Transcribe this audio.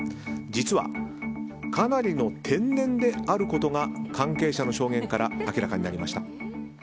実はかなりの天然であることが関係者の証言から明らかになりました。